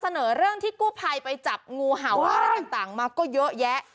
เสนอเรื่องที่กู้ภัยไปจับงูเห่าอะไรต่างมาก็เยอะแยะ